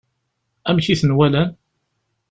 Amek i ten-walan?